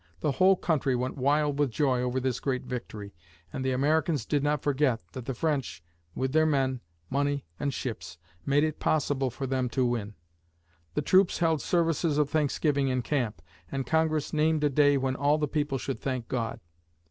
The whole country went wild with joy over this great victory, and the Americans did not forget that the French, with their men, money and ships, made it possible for them to win. The troops held services of thanksgiving in camp, and Congress named a day when all the people should thank God.